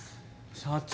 社長！